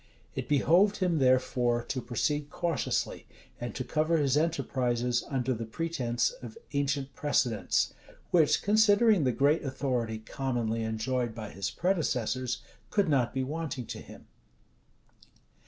It behoved him, therefore, to proceed cautiously, and to cover his enterprises under the pretence of ancient precedents, which, considering the great authority commonly enjoyed by his predecessors, could not be wanting to him.